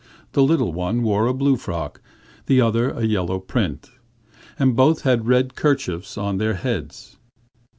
The little one wore a blue frock, the other a yellow print, and both had red kerchiefs on their heads.